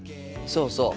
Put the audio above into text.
そうそう。